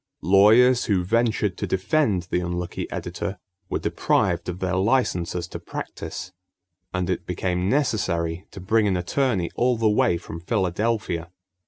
Lawyers who ventured to defend the unlucky editor were deprived of their licenses to practice, and it became necessary to bring an attorney all the way from Philadelphia.